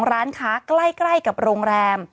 ร้านค้าใกล้กับโรงแรม